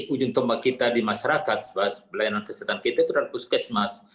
ujung tombak kita di masyarakat pelayanan kesehatan kita itu adalah puskesmas